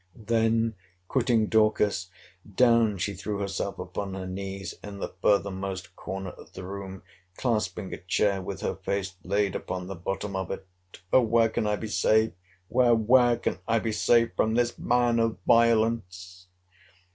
—Then quitting Dorcas, down she threw herself upon her knees, in the furthermost corner of the room, clasping a chair with her face laid upon the bottom of it!—O where can I be safe?—Where, where can I be safe, from this man of violence?